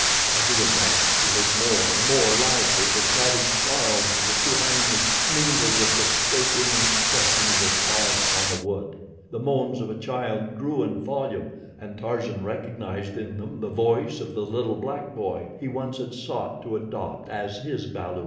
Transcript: As he advanced, he heard more and more loudly the savage snarls of the two hyenas, mingled with the scraping and scratching of their paws upon wood. The moans of a child grew in volume, and Tarzan recognized in them the voice of the little black boy he once had sought to adopt as his balu.